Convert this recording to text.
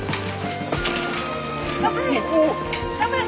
頑張れ！